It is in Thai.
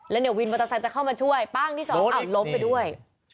แล้วเนี่ยวินมอเตอร์ไซค์จะเข้ามาช่วยป้างที่สองอ้าวล้มไปด้วย